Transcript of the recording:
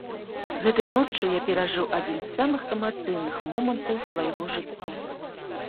Гэтай ноччу я перажыў адзін з самых эмацыйных момантаў свайго жыцця.